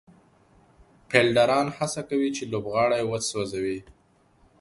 فېلډران هڅه کوي، چي لوبغاړی وسوځوي.